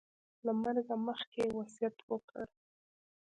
له مرګه مخکې یې وصیت وکړ.